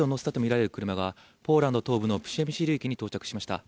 総理を乗せたとみられる車がポーランド東部のプシェミシル駅に到着しました。